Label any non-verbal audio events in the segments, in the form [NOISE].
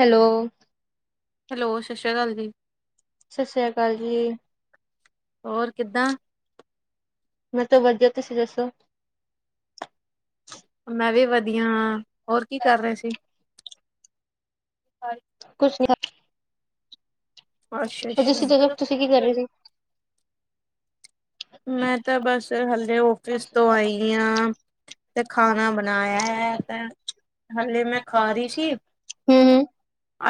Hello hello ਸਤਿ ਸ਼੍ਰੀ ਅਕਾਲ ਜੀ। ਸਤਿ ਸ੍ਰੀ ਅਕਾਲ ਜੀ। ਹੋਰ ਕਿੱਦਾਂ। ਮੈਂ ਤੋਂ ਵਧੀਆ ਤੁਸੀਂ ਦੱਸੋ? ਮੈਂ ਵੀ ਵਧੀਆ ਹਾਂ ਹੋਰ ਕੀ ਕਰ ਰਹੇ ਸੀ। ਕੁਛ ਨਹੀਂ। ਤੁਸੀਂ ਦੱਸੋ ਤੁਸੀਂ ਕੀ ਕਰ ਰਹੇ ਸੀ? ਮੈਂ ਤਾਂ ਬਸ ਹਲੇ ਔਫਿਸ ਤੋਂ ਆਈ ਆ। ਤੇ ਖਾਣਾ ਬਣਾਇਆ ਤੇ ਹਾਲੇ ਮੈਂ ਖਾ ਰਹੀ ਸੀ। ਹੂੰ,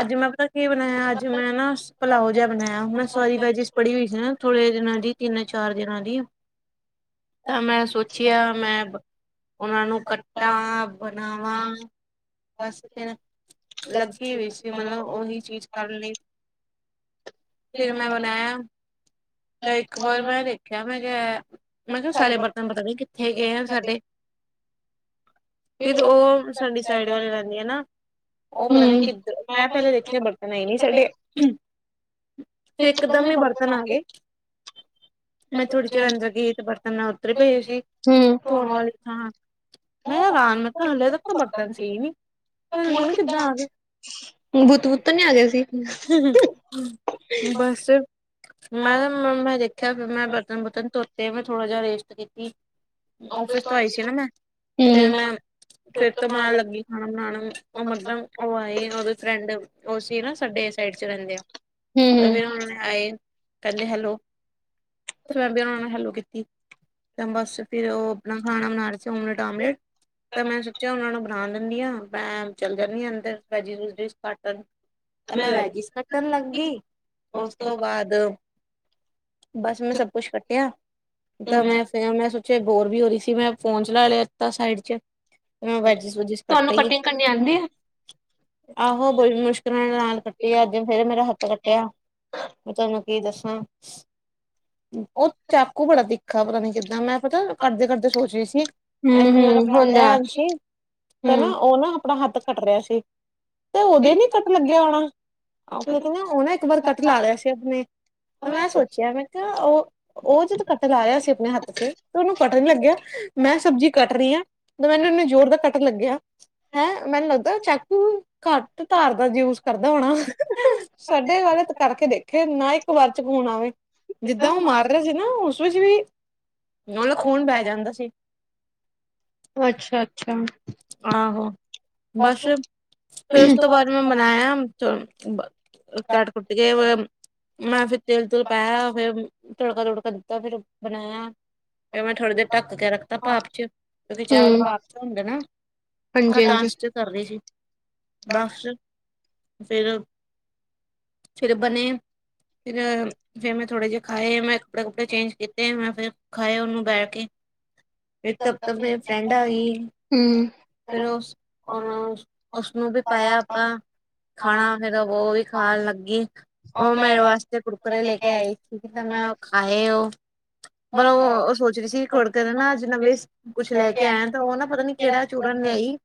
ਅੱਜ ਮੈਂ ਆਪ ਕੀ ਬਣਾਇਆ ਅੱਜ ਮੈਂ ਨਾ ਪੁਲਾਓ ਜਿਹਾ ਬਣਾਇਆ ਮੈਂ ਸਾਰੀ ਵੈਜਿਸ ਪੜ੍ਹੀ ਹੋਈ ਸੀ ਨਾ ਥੋੜੇ ਦਿਨਾਂ ਦੀ ਤਿੰਨ ਚਾਰ ਦਿਨਾਂ ਦੀ ਤਾਂ ਮੈਂ ਸੋਚਿਆ ਮੈਂ ਉਹਨਾਂ ਨੂੰ ਕੱਟਾਂ ਬਣਾਵਾਂ ਬਸ ਫਿਰ ਲੱਗੀ ਹੋਈ ਸੀ ਮਤਲਬ ਉਹੀ ਚੀਜ਼ ਕਰਨ ਲਈ ਫਿਰ ਮੈਂ ਬਣਾਇਆ ਤਾਂ ਇੱਕ ਵਾਰ ਮੈਂ ਕਿਹਾ ਮੈਂ ਕਿਹਾ ਸਾਰੇ ਬਰਤਨ ਪਤਾ ਨੀ ਕਿੱਥੇ ਗਏ ਆ ਸਾਡੇ ਫਿਰ ਉਹ ਸਾਡੀ ਸਾਈਡ ਵਾਲੀ ਰਹਿੰਦੀ ਆ ਨਾ ਉਹ ਪਤਾ ਨੀ ਕਿੱਧਰ ਮੈਂ ਪਹਿਲੇ ਦੇਖੇ ਬ ਨਹੀਂ ਨੀ ਸਾਡੇ ਫਿਰ ਇੱਕਦਮ ਹੀ ਬਰਤਨ ਆ ਗਏ ਮੈਂ ਥੋੜ੍ਹੀ ਚਿਰ ਅੰਦਰ ਗਈ ਤੇ ਬਰਤਨ ਮੈਂ ਉੱਧਰੇ ਪਏ ਸੀ ਧੋਣ ਵਾਲੀ ਥਾਂ ਮੈਂ ਹੈਰਾਨ ਮੈਂ ਕਿਹਾ ਹਾਲੇ ਤੱਕ ਤਾਂ ਬਰਤਨ ਸੀ ਨੀ ਪਰ ਹੁਣ ਕਿੱਦਾਂ ਆ ਗੇ ਬਸ ਮੈਂ-ਮੈਂ ਦੇਖਿਆ ਮੈਂ ਬਰਤਨ ਬੁਰਤਨ ਧੋਤੇ ਮੈਂ ਥੋੜ੍ਹਾ ਜਿਹਾ ਰੇਸਟ ਕੀਤੀ ਓਫਿਸ ਤੋਂ ਆਈ ਸੀ ਨਾ ਮੈਂ ਫਿਰ ਮੈਂ ਫਿਰ ਤੋਂ ਮੈਂ ਲੱਗੀ ਖਾਣਾ ਬਣਾਣਾ ਉਹ ਮਤਲਬ ਉਹ ਆਏ ਉਹਦੇ ਫਰੈਂਡ ਉਹਸੀ ਨਾ ਸਾਡੇ ਸਾਈਡ 'ਚ ਰਹਿੰਦੇ ਆ ਤੇ ਫਿਰ ਉਹ ਆਏ ਕਹਿੰਦੇ ਹੈਲੋ ਫੇਰ ਮੈਂ ਵੀ ਉਹਨਾਂ ਨੂੰ ਹੈਲੋ ਕੀਤੀ। ਤੇ ਬਸ ਫਿਰ ਉਹ ਆਪਣਾ ਖਾਣਾ ਬਣਾ ਰਹੇ ਸੀ ਓਮਲੇਟ ਆਮਲੇਟ ਤਾਂ ਮੈਂ ਸੋਚਿਆ ਉਹਨਾਂ ਨੂੰ ਬਣਾ ਦਿੰਦੀ ਹਾਂ ਮੈਂ ਚੱਲ ਜਾਂਦੀ ਹਾਂ ਅੰਦਰ ਵੈਜੀਸ ਵੁਜੀਸ ਕੱਟਣ ਤਾਂ ਮੈਂ ਵੈਜਿਸ ਕੱਟਣ ਲੱਗੀ ਉਸ ਤੋਂ ਬਾਦ ਬਸ ਮੈਂ ਸਭ ਕੁਛ ਕੱਟਿਆ ਤਾਂ ਮੈਂ ਤੇ ਮੈਂ ਸੋਚਿਆ ਬੋਰ ਵੀ ਹੋ ਰਹੀ ਸੀ ਮੈਂ ਫੋਨ ਚਲਾ ਲਿਤਾ ਸਾਈਡ 'ਚ ਮੈਂ ਵੈਜਿਸ ਵੁਜਿਸ ਕਟ ਲਈ ਏ। ਆਹੋ ਬੜੀ ਮੁਸ਼ਕਿਲਾਂ ਨਾਲ ਕੱਟੀ ਆ ਤੇ ਫੇਰ ਮੇਰਾ ਹੱਥ ਕੱਟਿਆ ਮੈਂ ਤੁਹਾਨੂੰ ਕੀ ਦੱਸਾਂ ਉਹ ਚਾਕੂ ਬੜਾ ਤਿੱਖਾ ਪਤਾ ਨੀ ਕਿੱਦਾਂ ਮੈਂ ਪਤਾ ਕਟਦੇ-ਕਟਦੇ ਸੋਚ ਰਹੀ ਸੀ। ਇੱਕ ਮੇਨ ਫੜ ਦੈਂ ਅੰਸ਼ੀ ਤੇ ਨਾ ਉਹ ਨਾ ਆਪਣਾ ਹੱਥ ਕੱਟ ਰਿਹਾ ਸੀ ਤੇ ਉਹਦੇ ਨੀ ਕੱਟ ਲੱਗਿਆ ਹੋਣਾ ਉਹ ਕਹਿੰਦੇ ਉਹ ਨਾ ਇੱਕ ਵਾਰ ਕੱਟ ਲਾ ਲਿਆ ਸੀ। ਕਟਣੇ ਮੈਂ ਸੋਚਿਆ ਮੈਂ ਕਿਹਾ ਉਹ ਉਹ ਜਦੋਂ ਕੱਟਣ ਆ ਰਿਹਾ ਸੀ ਆਪਣੇ ਹੱਥ 'ਚ ਤੇ ਉਹਨੂੰ ਕੱਟਣ ਲੱਗਿਆ ਮੈਂ ਸਬਜ਼ੀ ਕੱਟ ਰਹੀ ਆਂ। ਤੇ ਮੈਨੂੰ ਇਨੇ ਜ਼ੋਰ ਦਾ ਕਟ ਲੱਗਿਆ। ਹੈਂ ਮੈਨੂੰ ਲੱਗਦਾ ਚਾਕੂ ਘੱਟ ਧਾਰ ਦਾ ਜੂਸ ਕਰਦਾ ਹੋਣਾ ਸਾਡੇ ਵਾਲੇ ਕਰਕੇ ਦੇਖੇ ਨਾ ਇੱਕ ਵਾਰ 'ਚ ਖੂਨ ਆਵੇ। ਜਿੱਦਾਂ ਓਹ ਮਾਰ ਰਿਹਾ ਸੀ ਨਾ ਉਸ ਵਿੱਚ ਵੀ, ਉਹਦਾ ਖੂਨ ਬੈਹ ਜਾਂਦਾ ਸੀ। ਅੱਛਾ -ਅੱਛਾ ਬਸ ਫਿਰ ਉਸ ਤੋਂ ਬਾਅਦ ਮੈਂ ਮਨਾਇਆ। [UNINTELLIGIBLE] ਕਟ ਕੁੁਟ ਕੇ ਮੈਂ ਫਿਰ ਤੇਲ ਤੋਂ ਪਾਇ ਫੇਰ ਤੜਕਾ ਤੜਕਾ ਦਿੱਤਾ ਫੇਰ ਬਣਾਇਆ। ਫੇਰ ਮੈਂ ਥੋੜ੍ਹੀ ਦੇਰ ਢੱਕ ਕੇ ਰੱਖਤਾ ਭਾਫ਼ 'ਚ ਕਿਉਂਕਿ ਚਾਵਲ ਭਾਫ਼ 'ਚ ਹੁੰਦੇ ਨਾ। ਹਾਂਜੀ-ਹਾਂਜੀ ਬੱਚੇ ਕਰਦੇ ਸੀ ਦਸ ਫਿਰ ਫਿਰ ਬਣੇ ਫਿਰ-ਫਿਰ ਮੈਂ ਥੋੜੇ ਜਿਹੇ ਖਾਏ ਮੈਂ ਕੱਪੜੇ ਕੁੱਪੜੇ ਚੇਂਜ ਕੀਤੇ ਮੈਂ ਫਿਰ ਖਾਏ ਉਹਨੂੰ ਬੈਠ ਕੇ ਫੇਰ ਤਬ ਤਕ ਮੇਰੀ ਫਰੈਂਡ ਆ ਗਈ। ਫਿਰ ਉਸ ਉਸਨੂੰ ਵੀ ਪਾਇਆ ਆਪਾਂ ਖਾਣਾ ਫਿਰ ਉਹ ਵੀ ਖਾਣ ਲੱਗੀ ਉਹ ਮੇਰੇ ਵਾਸਤੇ ਕੁ ਕੁਰਕਰੇ ਲੈ ਕੇ ਆਈ ਸੀ ਤੇ ਮੈਂ ਉਹ ਖਾਏ ਉਹ ਪਰ ਉਹ ਸ ਅਸੀ ਖੁੜਕ ਨਾ ਅੱਜ ਨਵੇਂ ਕੁੱਛ ਲੈ ਕੇ ਆਇਆ ਤਾਂ ਉਹ ਨਾ ਪਤਾ ਨੀ ਕਿਹੜਾ ਚੂਰਨ ਲਿਆਈ।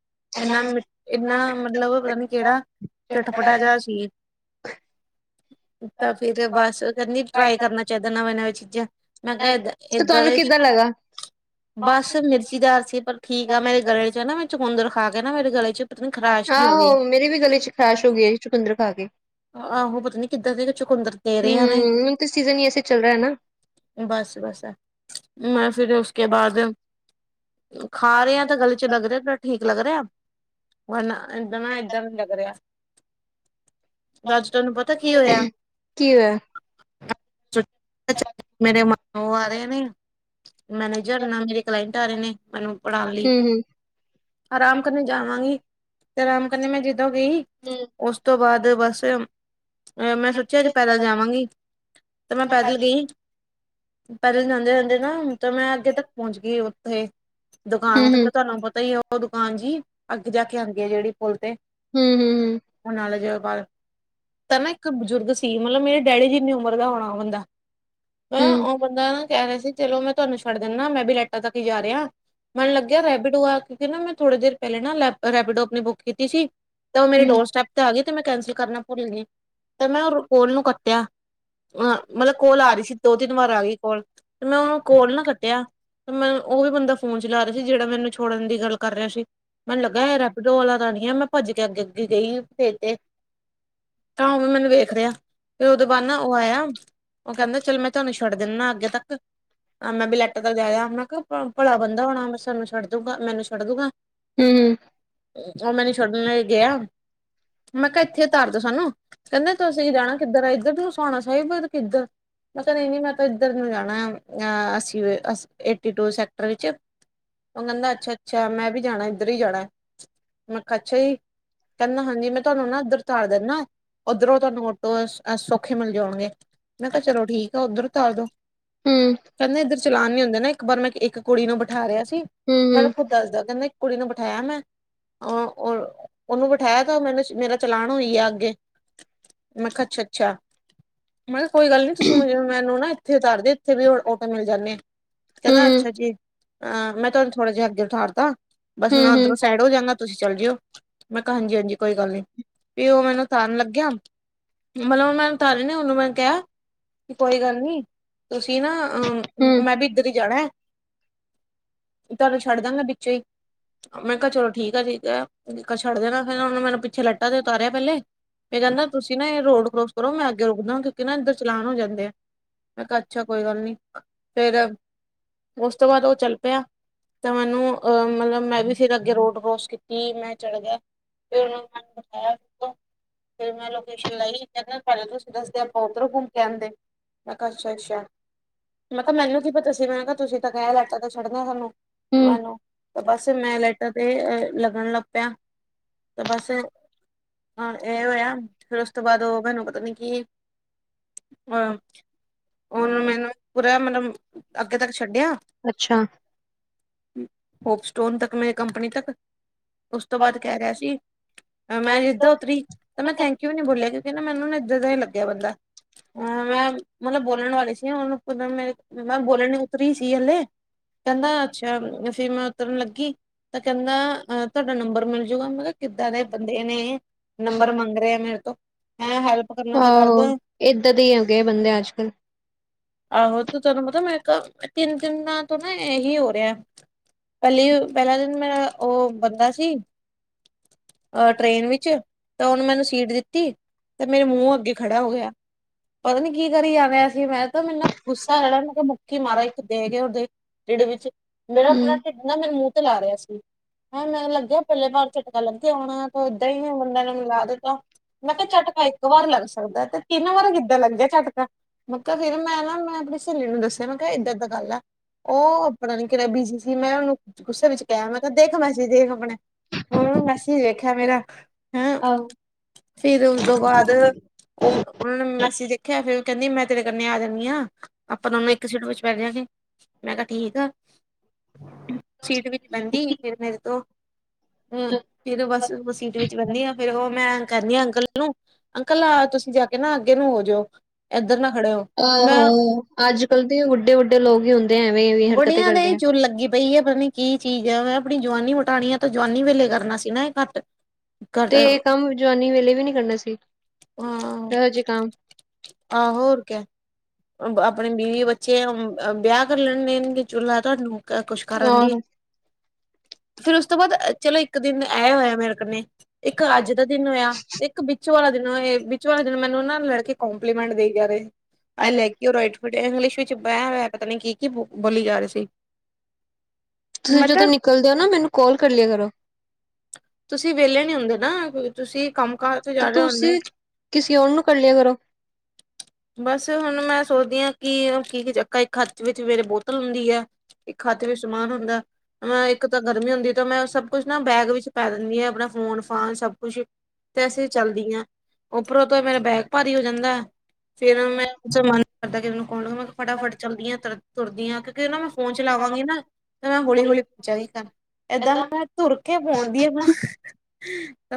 ਇਨਾ ਮ ਇੰਨਾ ਮਤਲਬ ਪਤਾ ਨੀ ਕਿਹੜਾ ਚਟਪਟਾ ਜਿਹਾ ਸੀ। ਤਾਂ ਫਿਰ ਬਸ ਉਹ ਕਹਿੰਦੀ ਟਰਾਈ ਕਰਨਾ ਚਾਹੀਦਾ ਨਵੇਂ-ਨਵੇਂ ਚੀਜ਼ਾਂ ਮੈਂ ਕਿਹਾ ਏਦਾਂ ਬਸ ਮਿਰਚੀ ਦਾਰ ਸੀ ਪਰ ਠੀਕ ਆ ਮੇਰੇ ਗਲੇ ਜ ਨਾ ਵਿੱਚ ਚਕੁੰਦਰ ਖਾ ਕੇ ਨਾ ਮੇਰੇ ਗਲੇ 'ਚ ਆਹੋ ਮੇਰੇ ਵੀ ਗਲੇ 'ਚ ਖਰਾਸ਼ ਹੋ ਗਈ ਜੀ ਚੁਕੁੰਦਰ ਖਾ ਕੇ ਆਹੋ ਪਤਾ ਨੀ ਕਿੱਧਰ ਦੇ ਚਕੁੰਦਰ ਤੇ ਹੂੰ ਹੁਣ ਤੇ ਸੀਜ਼ਨ ਹੀ ਐਸੇ ਚੱਲ ਰਿਹਾ ਹੈ ਨਾ। [UNINTELLIGIBLE] ਖਾ ਰਹੇ ਆਂ ਤਾਂ ਗਲੇ 'ਚ ਲੱਗ ਰਿ ਠੀਕ ਲੱਗ ਰਿਹਾ ਵ ਇਦਾਂ ਨਾ ਏਦਾਂ ਨ ਲੱਗ ਰਿਹਾ। [UNINTELLIGIBLE] ਤੁਹਾਨੂੰ ਪਤਾ ਕੀ ਹੋਇਆ। ਕੀ ਹੋਇਆ। [UNINTELLIGIBLE] ਮੈਨੇਜਰ ਨਾ ਮੇਰੇ ਕਲਾਇੰਟ ਆ ਰਹੇ ਨੇ ਮੈਨੂੰ ਪੜ੍ਹਾਉਣ ਲਈ ਆਰਾਮ ਕਰਨ ਜਾਵਾਂਗੀ ਤੇ ਆਰਾਮ ਕਰਨ ਮੈਂ ਜਦੋਂ ਗੀ। ਉਸ ਤੋਂ ਬਾਅਦ ਬਸ ਚਿਰ ਪੈਦਲ ਜਾਵਾਂਗੀ ਤੇ ਮੈਂ ਪੈਦਲ ਗਈ। ਪੈਦਲ ਜਾਂਦੇ- ਜਾਂਦੇ ਨਾ ਤੇ ਮੈਂ ਅੱਗੇ ਤੱਕ ਪਹੁੰਚ ਗਈ। ਉਥੇ ਦੁਕਾਨ ਤੱਕ ਤੁਹਾਨੂੰ ਪਤਾ ਹੀ ਹੈ ਉਹ ਦੁਕਾਨ ਜੀ। ਅੱਗੇ ਜਾ ਕੇ ਆਉਂਗੇ ਆ ਜਿਹੜੀ ਪੁਲ ਤੇ, ਉਹ ਨਾਲ ਜ ਤਾਂ ਨਾ ਇੱਕ ਬਜ਼ੁਰਗ ਸੀ ਮਤਲਬ ਮੇਰੇ ਡੈਡੀ ਜ ਇੰਨੀ ਉਮਰ ਦਾ ਹੋਣਾ ੳਹ ਬੰਦਾ। ਹ ਉਹ ਬੰਦਾ ਨਾ ਕਹਿ ਰਿਹਾ ਸੀ ਚਲੋ ਮੈਂ ਤੁਹਾਨੂੰ ਛੱਡ ਦਿੰਦਾ ਮੈਂ ਵੀ ਲੈਟਾ ਤੱਕ ਹੀ ਜਾ ਰਿਹਾ ਮੈਨ ਲੱਗਿਆ ਰੈਪੀਡੋ ਆ ਗਈ। ਕਿਉ ਨਾ ਮੈਂ ਥੋੜ੍ਹੀ ਦੇਰ ਪਹਿਲੇਾਂ ਨਾੈ ਰੈਪੀਡੋ ਆਪਣੀ ਬੁੱਕ ਕੀਤੀ ਸੀ ਤੇ ਉਹ ਮੇਰੇ ਡੋਰ ਸਟੈਪ ਤੇ ਆ ਗਈ ਤੇ ਮੈਂ ਕੈਂਸਲ ਕਰਨਾ ਭੁੱਲ ਗਈ। ਤੇ ਮੈਂ ਉਹ ਕੋੋਲ ਨੂੰ ਕੱਟਿਆ ਅ ਮਤਲਬ ਕੋਲ ਆ ਰਹੀ ਸੀ ਦੋ ਤਿੰਨ ਵਾਰ ਆ ਗਈ ਕੋਲ, ਤੇ ਮੈਂ ਉਹਨੂੰ ਕੋਲ ਨਾ ਕੱਟਿਆ ਤੇ ਮੈਂ ਉਹ ਵੀ ਬੰਦਾ ਫੋਨ ਚਲਾ ਰਿਹਾ ਸੀ ਜਿਹੜਾ ਮੈਨੂੰ ਛੋੜਨ ਦੀ ਗੱਲ ਕਰ ਰਿਹਾ ਸੀ ਮੈਨੂੰ ਲੱਗਿਆ ਇਹ ਰੇਪੀਡੋ ਵਾਲਾ ਤਾ ਨੀ ਹੈ ਮੈਂ ਭੱਜ ਕੇ ਅੱਗੇ ਅੱਗੇ ਗਈ, ਫਰ ਤੇ ਤਾਂ ਉਹ ਵੀ ਮੈਨੂੰ ਵੇਖ ਰਿਹਾ, ਫੇਰ ਉਹਦੇੋਂ ਬਾਅਦ ਨਾ ਉਹ ਆਇਆ- ਉਹ ਕਹਿੰਦਾ ਚੱਲ ਮੈਂ ਤੁਹਾਨੂੰ ਛੱਡ ਦਿੰਦਾ ਅੱਗੇ ਤੱਕ ਆ ਮੈਂ ਵੀ ਲੈਟਾ ਤੱਕ ਲਇਆ ਮੈਂ ਕਿਹਾ ਭਲਾ ਬੰਦਾ ਹੋਣਾ ਮੈਂ ਸਾਨੂੰ ਛੱਡ ਦੂਗਾ ਮੈਨੂੰ ਛੱਡ ਦੂਗਾ ਉਹ ਮੈ ਨ ਛੱਡਣ ਲਈ ਗਿਆ- ਮੈਂ ਕਿਹਾ ਇੱਥੇ ਉ ਤਾਰਦੋ ਸਾਨੂੰ, ਕਹਿੰਦੇ ਤੁਸੀਂ ਜਾਣਾ। ਕਿੱਧਰ ਇੱਧਰ। ਸੁਹਾਣਾ ਸ਼ਹੀਬ ਮ ਕਿੱਧਰ, ੳਹ ਕਹਿੰਦੇ ਨੀ ਮੈਂ ਤਾਂ ਇੱਧਰ ਨੂੰ ਜਾਣਾ ਆ ਅ ਅਸੀਂ ਏਟੀ ਟੂ ਸੈਕਟਰ ਵਿੱਚ। ਉਹ ਕਹਿੰਦਾ ਅੱਛਾ ਅੱਛਾ ਮੈਂ ਵੀ ਜਾਣਾ ਇੱਧਰ ਹੀ ਜਾਣਾ, ਮੈਂ ਕਿਹਾ ਅੱਛਾ ਹੀ। ਕਹਿੰਦਾ ਹਾਂਜੀ ਮੈਂ ਤੁਹਾਨੂੰ ਨਾ ਉੱਧਰ ਤਾਰ ਦਿੰਦਾ, ਉੱਧਰੋਂ ਤੁਹਾਨੂੰ ਅ ਸੌਖੇ ਮਿਲ ਜਾਣਗੇ, ਮੈਂ ਕਿਹਾ ਚਲੋ ਠੀਕ ਆ ਉੱਧਰ ਤਾਰ ਦੋ ਕਹਿੰਦੇ ਇੱਧਰ ਚਲਾਨ ਨੀ ਹੁੰਦੇ ਨਾ ਇੱਕ ਵਾਰ ਮੈਂ ਇੱਕ ਕੁੜੀ ਨੂੰ ਬਿਠਾ ਰਿਹਾ ਸੀ। ਮੈਨੂੰ ਖੁ ਦੱਸ ਦ ਕਹਿੰਦੇ ਕੁੜੀ ਬਿਠਾਇਆ ਮੈਂ, ਉਹਨੂੰ ਬਿਠਾਇਆ ਤਾਂ ਮੈਨੂੰ ਮੇਰਾ ਚਲਾਨ ਹੋਈ ਆ ਅੱਗੇ। ਮੈਂ ਕਿਹਾ ਅੱਛਾ ਅੱਛਾ! ਮੈਂ ਕਿਹਾ ਕੋਈ ਗੱਲ ਨੀ ਤੁਸੀਂ ਮੈਨੂੰ ਨਾ ਇੱਥੇ ਉਤਾਰਦੇ। ਇੱਥੇ ਵੀ ਆਟੋ ਮਿਲ ਜਾਂਦੇ, ਆ ਕਹਿੰਦਾ ਅੱਛਾ ਜੀ ਅਹ ਮੈਂ ਤੁਹਾਨੂੰ ਥੋੜਾ ਜਿਹਾ ਅੱਗੇ ਉਠਾਰਦਾ ਬਸ ਮੈਂ ਉੱਧਰੋਂ ਸਾਈਡ ਹੋ ਜਾਂਗਾ ਤੁਸੀਂ ਚੱਲ ਜਿਓ, ਮੈਂ ਕਿਹਾ ਹਾਂਜੀ ਹਾਂਜੀ, ਕੋਈ ਗੱਲ ਨੀ ਵੀ ਉਹ ਮੈਨੂੰ ਤਾਰ ਲੱਗਿਆ- ਮਤਲਬ ਮੈ ਤਾਰੇ ਨੇ ਉਹਨੂੰ ਮੈ ਕਿਹਾ, ਕੋਈ ਗੱਲ ਨੀ ਤੁਸੀਂ ਨਾ ਅ- ਮੈਂ ਵੀ ਇੱਧਰ ਹੀ ਜਾਣਾ ਹੈ ਤੁਹਾਨੂੰ ਛੱਡ ਦਾਂਗਾ ਪਿਛੇ ਹੀ ਮੈਂ ਕਿਹਾ ਚਲੋ ਠੀਕ ਆ ਠੀਕ ਹੈ ਜ ਛੱਡ ਦੇਣਾ ਫ ਮੈਨੂੰ ਪਿੱਛੇ ਲਟਾ ਤੇ ਉਤਾਰਿਆ ਪਹਿਲੇ ਮੈਂ ਕਹਿੰਦਾ ਤੁਸੀਂ ਨਾ ਇਹ ਰੋਡ ਕਰੋਸ ਕਰੋ ਮੈਂ ਅੱਗੇ ਰੁਕਦਾ ਕਿਉਂਕਿ ਨਾ ਇੱਧਰ ਚਲਾਨ ਹੋ ਜਾਂਦੇ ਆ ਮੈਂ ਕਿਹਾ ਅੱਛਾ ਕੋਈ ਗੱਲ ਨੀ, ਫੇਰ ਉਸ ਤੋਂ ਬਾਅਦ ਉਹ ਚੱਲ ਪਿਆ ਤਾਂ ਮੈਨੂੰ ਅਹ ਮਤਲਬ ਮੈਂ ਵੀ ਫਿਰ ਅੱਗੇ ਰੋਡ ਕਰੋਸ ਕੀਤੀ ਮੈਂ ਚੜ ਗਿਆ ਫਿਰ ਫਿਰ ਮੈਂ [UNINTELLIGIBLE] ਲ ਪਹਿਲ ਤੁਸੀਂ ਦੱਸਦੇ ਆਪਾਂ ਉੱਧਰੋਂ ਘੁੰਮ ਕੇ ਆਉਂਦੇ, ਮੈ ਕਿਹਾ ਅੱਛਾ ਅੱਛਾ ਮੈਂ ਕਿਹਾ ਮੈਨੂੰ ਕੀ ਪਤਾ ਸੀ ਮੈਂ ਕਿਹਾ ਤੁਸੀਂ ਤਾਂ ਕਹਿ ਲਾ ਤਾਂ ਛੱਣਾ ਸਾਨੂੰ ਮੈਨੂੰ, ਤੇ ਬਸ ਮੈਂ ਲੇਟਾਂ ਤੇ ਲੱਗਣ ਲੱਗ ਪਿਆ। ਤੇ ਬਸ ਇਹ ਹੋਇਆ। ਫੇਿਰ ਉਸ ਤੋਂ ਬਾਅਦ ਉਹ ਮੈਨੂੰ ਪਤਾ ਨੀ ਕਿ ਹਹ ਉਹਨੇ, ਮੈਨੂੰ ਪੂਰਾ ਮਤਲਬ ਅੱਗੇ ਤੱਕ ਛੱਡਿਆ। ਅੱਛਾ। ਹੋਪ ਸਟੋਨ ਤੱਕ ਮੈਂ ਕੰਪਨੀ ਤੱਕ। ਉਸ ਤੋਂ ਬਾਅਦ ਕਹਿ ਰਿਹਾ ਸੀ। ਮੈਂ ਜਿੱਦਾਂ ਉਤਰੀ ਤਾਂ ਮੈਂ ਥੈਂਕ ਕਿਉਂਕਿ ਬੋਲ ਕਿਉਂਕ ਮੈਨੂੰ ਨਾਂ ਦਾ ਹੀ ਲੱਗਿਆ ਬੰਦਾ। ਹਾਂ ਮੈਂ, ਮਤਲਬ ਬੋਲਣ ਵਾਲੇ ਸੀ ਉਹਨੂੰ ਮੇਰੇ ਮੈਂ ਬੋਲਣ ਨ ਉਤਰੀ ਸੀ ਹਲੇ ਕਹਿੰਦਾ ਅੱਛਾ, ਫਰ ਮੈਂ ਉਤਰਨ ਲੱਗੀ। ਤਾਂ ਕਹਿੰਦਾ ਅ ਤੁਹਾਡਾ ਨੰਬਰ ਮਿਲ ਜੂਗਾ ਮਤਲਬ ਕਿੱਦਾਂ ਦੇ ਬੰਦੇ ਨੇ। ਨੰਬਰ ਮੰਗ ਰਿਹਾ ਆ ਮੇਰੇ ਤੋਂ, ਹੈਂ ਹੈਲਪ ਕਰਨਾ ਤਾਂ ਕਰਦਾ। ਆਹੋ ਤੂੰ ਤੈਨੂੰ ਪਤਾ ਮੈਂ ਇੱਕ ਤਿੰਨ ਤਿੰਨ ਤੋਂ ਨਾ ਇਹੀ ਹੋ ਰਿਹਾ। ਪਹਿਲੀ ਪਹਿਲਾ ਦਿਨ ਮੇਰਾ ਉਹ ਬੰਦਾ ਸੀ। ਅ ਟ੍ਰਰੇਨ ਵਿੱਚ ਤਾਂ ਉਹਨੂੰ ਮੈਨੂੰ ਸੀਟ ਦਿੱਤੀ। ਤੇ ਮੇਰੇ ਮੂੰਹ ਅੱਗੇ ਖੜਾ ਹੋ ਗਿਆ। ਪਤਾ ਨੀ ਕੀ ਕਰੀ ਜਾ ਰਿਿਆ ਸੀ ਮੈਂ ਤੇ ਮੈਨਾ ਗੁੱਸਾ ਜਿਹੜਾ ਮੈਂ ਕਿਹਾ ਮੁੱਕੀ ਮਾਰਾ ਇੱਕ ਦੇ ਕੇ ਦੇ। ਢਿੱਡ ਵਿੱਚ ਮੇਰਾ ਆਪਣਾ ਢਿੱਡ ਨਾ ਮੇਨੂੰ ਮੂੰਹ ਤੇ ਲਾ ਰਿਹਾ ਸੀ। ਹਂ ਮੈਨੂੰ ਲੱਗਿਆ ਪਹਿਲੇ ਵਾਰ ਝਟਕਾ ਲੱਗੇ ਆਉਣਾ ਤੇ ਏਦਾਂ ਹੀ ਬੰਦੇ ਨੇ ਮਿਲਾ ਦਿੱਤਾ। ਮੈਂ ਕਿਹਾ ਝਟਕਾ ਇੱਕ ਵਾਰ ਲੱਗ ਸਕਦਾ ਤੇ ਤਿੰਨ ਵਾਰ ਕਿੱਦਾਂ ਲੱਗ ਜਾ ਝਟਕਾ। ਮੈਂ ਕਿਹਾ ਫੇਿਰ ਮੈਂ ਨਾ ਮੈਂ ਆਪਣੀ ਸਹੇਲੀ ਨੂੰ ਦੱਸਿਆ ਮੈਂ ਕਿਹਾ ਇੱਧਰ ਤਾਂ ਗੱਲ ਆ। ਉਹ ਆਪਣਾ ਨੀ ਕਿਹੜਾ ਬੀਜੀ ਸੀ ਮੈਂ ਉਹਨੂੰ ਗੁੱਸੇ ਵਿੱਚ ਕਿਹਾ ਮੈਂ ਕਿਹਾ ਦੇਖ ਮੈ ਸੀ ਦੇਖ ਆਪਣੇ। ਹਮ ਮਸੀ ਦੇਖ ਮੇਰਾ ਹ। ਫੇਿਰ ਉਸਦੋਂ ਬਾਅਦ ਉਹ ਉਹ ਨੇ ਮੈਸੀ ਦੇਖਿਆ ਫਿਰ ਉਹ ਕਹਿੰਦੀ ਮੈਂ ਤੇਰੇ ਕੰ ਆ ਜਾਂਦੀ ਹ। ਆਪਾਂ ਉਹਨਾ ਇੱਕ ਸੀਟ ਵਿੱਚ ਪੈ ਜਾਗੇ ਮੈਂ ਕਿਹਾ ਠੀਕ ਆ। ਸੀਟ ਵਿੱਚ ਬੰਦੀ ਫਿਰ ਮੇਰੇ ਤੋਂ ਹਮ ਫੇਰ ਬਸ ਉਹ ਸੀਟ ਵਿੱਚ ਬੰਦੀ ਆ ਫੇਰ ਉਹ ਮੈਂ ਕਹਿੰਦੀ ਆ ਅੰਕਲ ਨੂੰ ਅੰਕਲ ਆ ਤੁਸੀਂ ਜਾ ਕੇ ਨਾ ਅੱਗੇ ਨੂੰ ਹੋ ਜਾਓ ਇੱਧਰ ਨਾ ਖੜੇ ਹੋ। ਆਹੋ ਅੱਜ ਕੱਲ ਦੇ ਵੁੱਢੇ ਵੁੱਡੇ ਲੋਕ ਹੀ ਹੁੰਦੇ। ਬੁੜੀਆਂ ਦੇ ਹੀ ਚੁੱਲ ਲੱਗੀ ਪਈ ਹੈ ਪਤਾਣੀ ਕੀ ਚੀਜ਼ ਹੈ ਮੈਂ ਆਪਣੀ ਜਵਾਨੀ ਵਿਟਾਣੀ ਆ ਤਾਂ ਜਵਾਨੀ ਵੇਲੇ ਕਰਨਾ ਸੀ ਨਾ ਇਹ ਘੱਟ ਤੇ ਇਹ ਕੰਮ ਜਵਾਨੀ ਵੇਲੇ ਵੀ ਨੀ ਕਰਨਾ ਸੀ ਇਹੋ ਜਿਹੇ ਕੰਮ ਆਹੋ ਹੋਰ ਕ ਆਪਣੇ ਬੀਵੀ ਬੱਚੇ ਵਿਆਹ ਕਰ ਲੈਣੇ ਚੁੱਲ੍ਹਾ ਤੁਹਾਨੂੰ ਕੁਛ ਕਰਨ ਦੀ [UNINTELLIGIBLE] ਫੇਿਰ ਉਸ ਤੋਂ ਬਾਅਦ ਚਲੋ ਇੱਕ ਦਿਨ ਇਹ ਹੋਇਆ ਮੇਰੇ ਕ ਇੱਕ ਅੱਜ ਦਾ ਦਿਨ ਹੋਇਆ। ਵਿੱਚ ਵਾਲਾ ਦਿਨ ਵਿੱਚ ਵਾਲੇ ਦਿਨ ਮੈਨੂੰ ਲੜਕੇ ਕੋਂਪਲੀਮੈਂਟ ਦੇ ਜਾ ਰਹੇ ਆ ਲੈ ਇੰਗਲਿਸ਼ ਵਿੱਚ ਬਹਿ ਪਤਾ ਨੀ ਕੀ ਕੀ ਬੋਲੀ ਜਾ ਰਹੀ ਸੀ। ਤੁਸੀਂ ਜਦੋਂ ਨਿਕਲਦੇ ਹੋ ਨਾ ਮੈਨੂੰ ਕਾਲ ਕਰ ਲਿਆ ਕਰੋ। ਤੁਸੀਂ ਵਿਹਲੇ ਨੀ ਹੁੰਦੇ ਨਾ ਤੁਸੀਂ ਕੰਮ ਕਜ ਤੋਂ ਜਾ ਰਹੇ ਹੁੰਦੇ। ਕਰੱਲਿਆ ਕਰੋ। ਬਸ ਹੁਣ ਮੈਂ ਸੋਚਦੀ ਹਾਂ ਕਿ ਉਹ ਕੀ ਚ ਇੱਕ ਖਚ ਵਿੱਚ ਮੇਰੇ ਬੋਤਲ ਹੁੰਦੀ ਹੈ। ਇੱਕ ਖਾਤੇ ਵਿੱਚ ਸਮਾਨ ਹੁੰਦਾ ਮੈਂ ਇੱਕ ਤਾਂ ਗਰਮੀ ਹੁੰਦੀ ਤਾਂ ਮੈਂ ਸਭ ਕੁਛ ਨਾ ਬੈਗ ਵਿੱਚ ਪੈ ਦਿੰਦੀ ਆ ਆਪਣਾ ਫੋਨ ਫਾਨ ਸਭ ਕੁਛ ਤੇ ਅਸੇ ਚੱਲਦੀਆਂ ਉੱਪਰੋਂ ਤੋਂ ਮੇਰਾ ਬੈਗ। ਭਾਰੀ ਹੋ ਜਾਂਦਾ ਫੇਿਰ ਮੈਂ ਮਨ ਕਰਦਾਨੂੰ ਕੌਣ ਮੈਂ ਫਟਾਫਟ ਚਲਦੀਆਂ ਤ ਤੁਰਦੀਆਂ ਕਿਉਂਕਿ ਨਾ ਮੈਂ ਫੋਨ ਚਲਾਵਾਂਗੀ ਨਾ ਤੇ ਮੈਂ ਹੌਲੀ ਹੌਲੀ ਪੁੱਜਾ ਹੀ ਕਰ। ਏਦਾਂ ਮੈਂ ਤੁਰ ਕੇ ਪਾਉਦੀ ਆ ਵਾਂ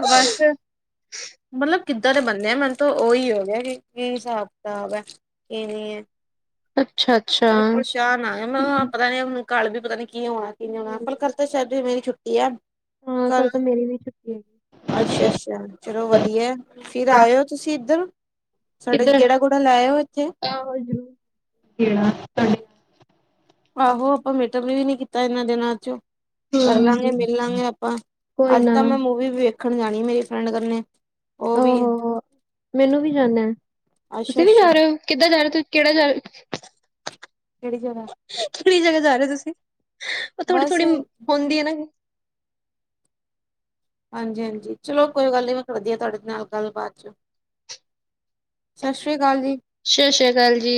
ਬਸ। ਮਤਲਬ ਕਿੱਦਾਂ ਦੇ ਬੰਨਦੇ ਆ ਮੈਨੂੰ ਤਾਂ ਉਹੀ ਹੋ ਗਿਆ ਕਿ ਹਿਸਾਬ ਬ ਕਿ ਨੀ ਹੈ ਮਤਲਬ ਪਰੇਸ਼ਾਨ ਆ ਮ ਪਤਾ ਨੀਨ ਕੱਲ ਵੀ ਪਤਾ ਨੀ ਕੀ ਹੋਣਾ ਕੀ ਨਹੀਂ ਹੋਣਾ ਪਰ ਕਰਰਤਾ ਸ਼ਾਇਦ ਮੇਰੀ ਛੁੱਟੀ ਆ ਹਾਂ ਕੱਲ ਤਾਂ ਮੇਰੀ ਵੀ ਛੁੱਟੀ ਅੱਛਾ ਅੱਛਾ ਚਲੋ ਵਧੀਆ ਫਿਰ ਆਇਓ ਤੁਸੀਂ ਇੱਧਰ ਸਾਡੇ ਕਿਹੜਾ ਗੂੜਾ ਲੈਓ ਇੱਥੇ ਕਿ ਚ [UNINTELLIGIBLE] ਆਹੋ ਆਪਾਂ ਮੈਟਮ ਨੇ ਵੀ ਨੀ ਕੀਤਾ ਇਹਨਾਂ ਦਿਨਾਂ ਚੋਂ ਕਰ ਲਾਂਗੇ ਮਿਲ ਲਾਂਗੇ ਆਪਾਂ ਅੱਜ ਤਾਂ ਮੈਂ ਮੂਵੀ ਵੀ ਵੇਖਣ ਜਾਣੀ ਮੇਰੀ ਫਰੈਂਡ ਕਰਨੇ ਉਹ ਵੀ ਮੈਨੂੰ ਵੀ ਜਾਦਾ ਤੁਸੀਂ ਵੀ ਜਾ ਰਹੇ ਹੋ ਕਿੱਦਾਂ ਜਾ ਰਹੇ ਹੋ ਕਿਹੜਾ ਜਾ ਰਹੇ ਕਿਹੜੀ ਜਗ੍ਹਾ ਜਾ ਰਹੇ ਹੋ ਤੁਸੀਂ ਉਹ ਥੋੜ੍ਹੀ ਥੋੜ੍ਹੀ ਹੁੰਦੀ ਹੈ ਨਾ ਹਾਂਜੀ ਹਾਂਜੀ ਚਲੋ ਕੋਈ ਗੱਲ ਨੀ ਮੈਂ ਵਧੀਆ ਤੁਹਾਡੇ ਨਾਲ ਗੱਲਬਾਤ ਚ ਸਤਿ ਸ੍ਰੀ ਅਕਾਲ ਜੀ।